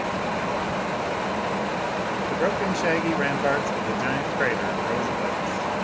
XXVIII The broken, shaggy ramparts of the giant crater rose above us.